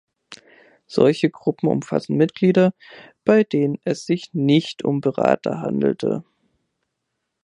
Solche Gruppen umfassen Mitglieder, bei denen es sich nicht um Berater handelte.